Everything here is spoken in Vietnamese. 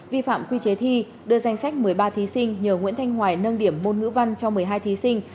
vi phạm quy chế thi đưa danh sách một mươi ba thí sinh nhờ nguyễn thanh hoài nâng điểm môn ngữ văn cho một mươi hai thí sinh